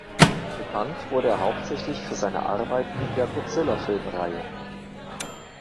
Bekannt wurde er hauptsächlich für seine Arbeiten in der Godzilla-Filmreihe.